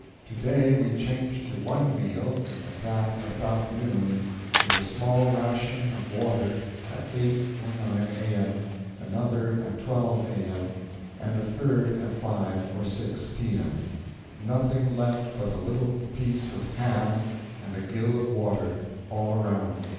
To day we changed to one meal, and that at about noon, with a small ration or water at 8 or 9 A.M., another at 12 A.M., and a third at 5 or 6 P.M. Nothing left but a little piece of ham and a gill of water, all around.